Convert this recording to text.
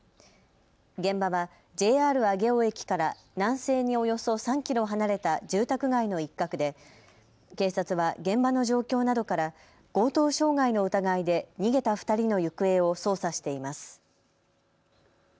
現場はＪＲ上尾駅から南西におよそ３キロ離れた住宅街の一角で警察は現場の状況などから強盗傷害の疑いで逃げた２人の行方を捜査しています。